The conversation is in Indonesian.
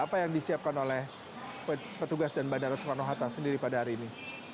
apa yang disiapkan oleh petugas dan bandara soekarno hatta sendiri pada hari ini